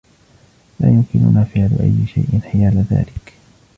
لا يمكننا فعل أي شيء حيال ذلك.